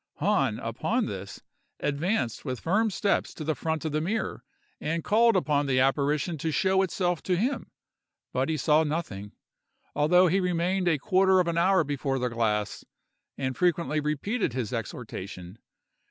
Hahn, upon this, advanced with firm steps to the front of the mirror, and called upon the apparition to show itself to him; but he saw nothing, although he remained a quarter of an hour before the glass, and frequently repeated his exhortation.